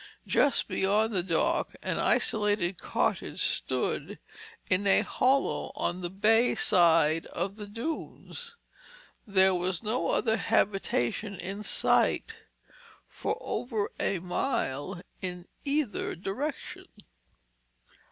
Just beyond the dock an isolated cottage stood in a hollow on the bay side of the dunes. There was no other habitation in sight for over a mile in either direction.